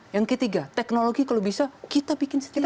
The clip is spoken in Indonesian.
yang ketiga teknologi kalau bisa kita bikin skenal